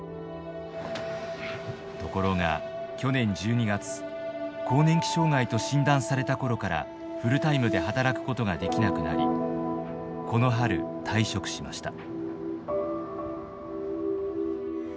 ところが去年１２月更年期障害と診断された頃からフルタイムで働くことができなくなりこの春退職しました。